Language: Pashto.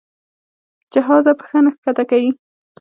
جهازه پښه نه ښکته کوي.